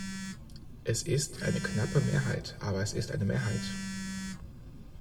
Es ist eine knappe Mehrheit, aber es ist eine Mehrheit.